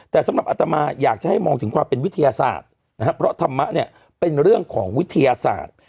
แต่สำหรับอัตมาอยากจะให้มองถึงความเป็นวิทยาศาสตร์นะครับเพราะธรรมะเนี่ยเป็นเรื่องของวิทยาศาสตร์